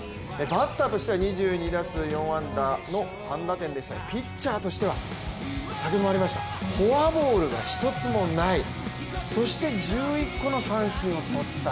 バッターとしては２２打数４安打３打点でしたがピッチャーとしては、フォアボールが一つもないそして１１個の三振を取った。